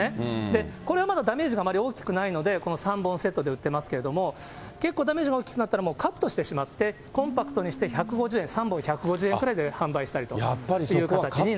で、これはまだダメージが大きくないので、３本セットで売ってますけれども、結構、ダメージが大きくなったら、カットしてしまって、コンパクトにして１５０円、３本１５０円ぐらいで販売したりという形に。